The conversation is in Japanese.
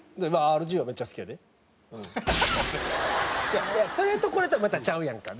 いやそれとこれとはまたちゃうやんか。